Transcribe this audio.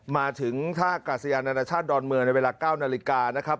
มาถึงท่ากาศยานานาชาติดอนเมืองในเวลา๙นาฬิกานะครับ